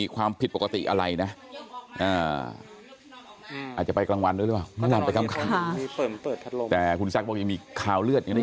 ความผิดปกติอะไรนะอาจจะไปกลางวันหรือว่ามีคราบเลือดยังได้